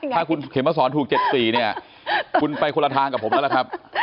ถ้าคุณเข็มมาสอนถูก๗๔เนี่ยคุณไปคนละทางกับผมแล้วล่ะครับ